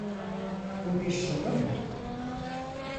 Bu bir soru mu?